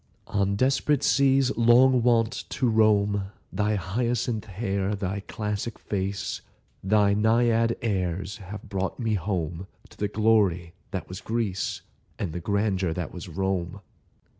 On desperate seas long wont to roam, Thy hyacinth hair, thy classic face, Thy Naiad airs have brought me home To the glory that was Greece, And the grandeur that was Rome.